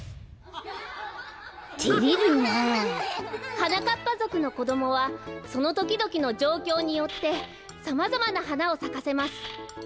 はなかっぱぞくのこどもはそのときどきのじょうきょうによってさまざまなはなをさかせます。